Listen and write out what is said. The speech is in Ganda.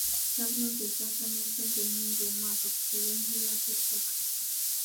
Gavumenti esaasaanya ssente nnyingi omwaka ku kuwumbulukuka kw'ettaka.